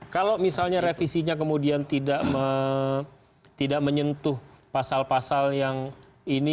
kalau misalnya revisinya kemudian tidak menyentuh pasal pasal yang ini